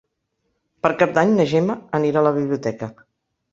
Per Cap d'Any na Gemma anirà a la biblioteca.